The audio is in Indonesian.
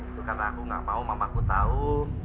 itu karena aku gak mau mamaku tahu